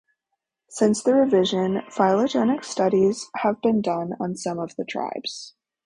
Since the revision, phylogenetic studies have been done on some of the tribes.